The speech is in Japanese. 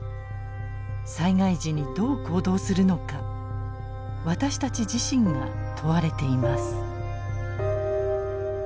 災害時にどう行動するのか私たち自身が問われています。